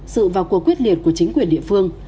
sự vào cuộc quyết liệt của chính quyền địa phương